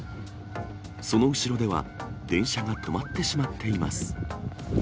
その後ろでは、電車が止まってしまっています。